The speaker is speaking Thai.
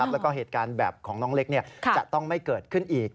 แล้วก็เหตุการณ์แบบของน้องเล็กจะต้องไม่เกิดขึ้นอีก